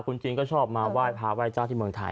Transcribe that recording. คุณจีนก็ชอบมาไหว้พาไหว้เจ้าที่เมืองไทย